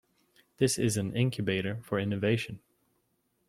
This is an incubator for innovation.